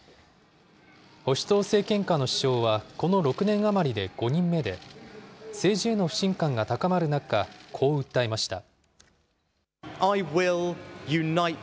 保守党政権下の首相は、この６年余りで５人目で、政治への不信感が高まる中、こう訴えました。